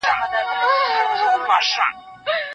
ښه فکر تل پرمختګ راولي